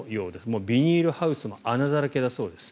もうビニールハウスも穴だらけだそうです。